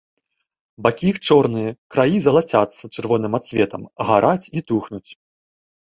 Бакі іх чорныя, краі залацяцца чырвоным адсветам, гараць і тухнуць.